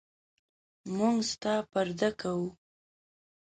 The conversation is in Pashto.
موږ ستا پرده کوو.